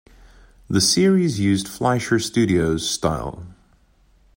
The series used Fleischer Studios style.